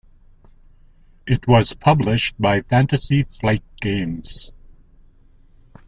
It was published by Fantasy Flight Games.